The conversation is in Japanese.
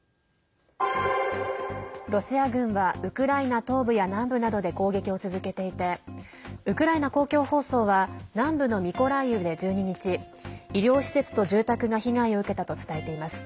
ロシア軍はウクライナ東部や南部などで攻撃を続けていてウクライナ公共放送は南部のミコライウで１２日、医療施設と住宅が被害を受けたと伝えています。